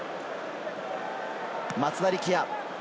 松田力也。